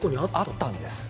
あったんです。